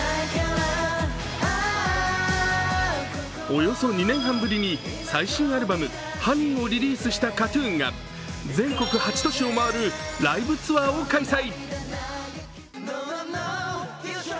およそ２年半ぶりに最新アルバム「Ｈｏｎｅｙ」をリリースしたＫＡＴ−ＴＵＮが全国８都市を回るライブツアーを開催。